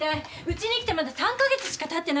うちに来てまだ３カ月しかたってないでしょ。